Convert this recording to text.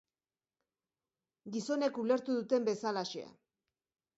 Gizonek ulertu duten bezalaxe.